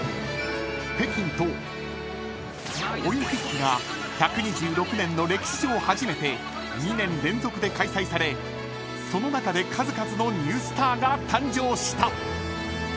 ［オリンピックが１２６年の歴史上初めて２年連続で開催されその中で数々のニュースターが誕生した］